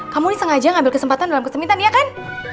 kamu ini sengaja ngambil kesempatan dalam kesemitan ya kan